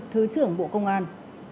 thứ trưởng bộ công an